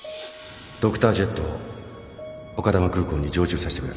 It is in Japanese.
ドクタージェットを丘珠空港に常駐させてください